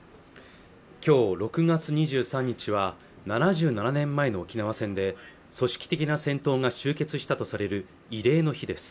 今日６月２３日は７７年前の沖縄戦で組織的な戦闘が終結したとされる慰霊の日です